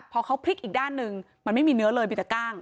พอเขาพลิกอีกด้านหนึ่งมันไม่มีเนื้อเลยมีแต่กล้าง